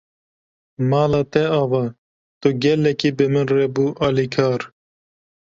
Mala te ava, tu gelekî bi min re bû alîkar.